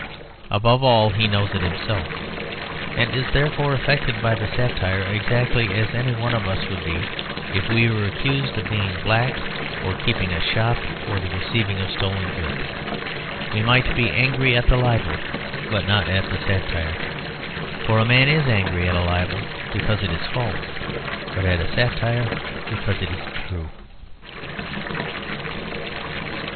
Above all, he knows it himself, and is therefore affected by the satire exactly as any one of us would be if we were accused of being black or of keeping a shop for the receiving of stolen goods. We might be angry at the libel, but not at the satire: for a man is angry at a libel because it is false, but at a satire because it is true.